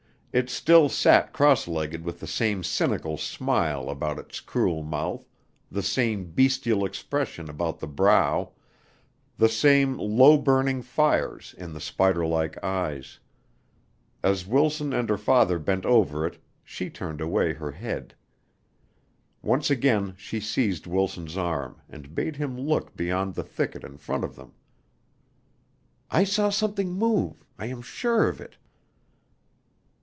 It still sat cross legged with the same cynical smile about its cruel mouth, the same bestial expression about the brow, the same low burning fires in the spider like eyes. As Wilson and her father bent over it she turned away her head. Once again she seized Wilson's arm and bade him look beyond the thicket in front of them. "I saw something move. I am sure of it."